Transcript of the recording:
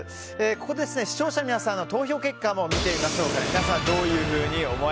ここで視聴者の皆さんの投票結果を見てみましょう。